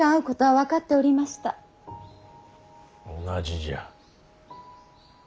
同じじゃ。